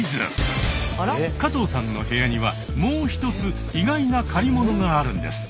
加藤さんの部屋にはもう１つ意外な「借りもの」があるんです。